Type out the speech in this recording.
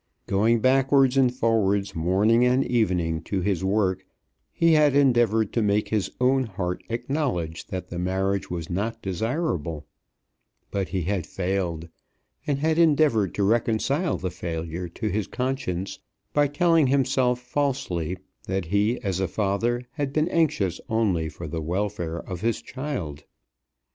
Going backwards and forwards morning and evening to his work, he had endeavoured to make his own heart acknowledge that the marriage was not desirable; but he had failed; and had endeavoured to reconcile the failure to his conscience by telling himself falsely that he as a father had been anxious only for the welfare of his child.